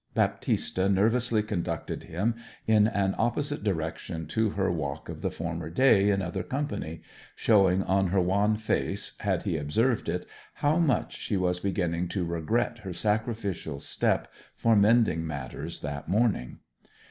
Baptista nervously conducted him in an opposite direction to her walk of the former day in other company, showing on her wan face, had he observed it, how much she was beginning to regret her sacrificial step for mending matters that morning.